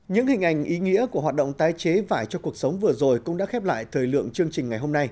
những hình ảnh ý nghĩa của hoạt động tái chế vải cho cuộc sống vừa rồi cũng đã khép lại